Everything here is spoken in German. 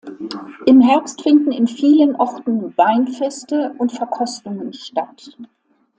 Im Herbst finden in vielen Orten Weinfeste und -verkostungen statt.